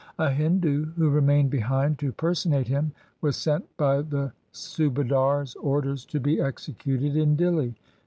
A Hindu who remained behind to personate him was sent by the Subadar's orders to be executed in Dihli.